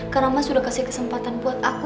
karena mas udah kasih kesempatan buat aku